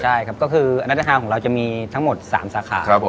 ใช่ครับก็คือนัดฮาของเราจะมีทั้งหมด๓สาขา